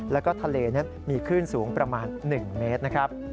แล้วก็ทะเลมีคลื่นสูงประมาณ๑เมตร